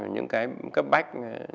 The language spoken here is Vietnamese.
những cái bách